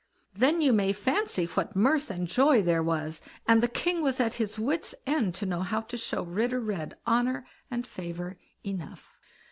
Then you may fancy what mirth and joy there was, and the king was at his wits' end to know how to show Ritter Red honour and favour enough.